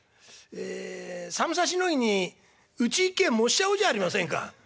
ええ寒さしのぎにうち一軒燃しちゃおうじゃありませんか」。